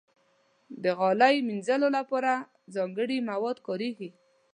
د غالۍ مینځلو لپاره ځانګړي مواد کارېږي.